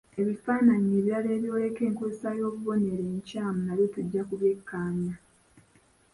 Ebifaananyi ebirala ebyoleka enkozesa y'obubonero enkyamu nabyo tujja kubyekaanya.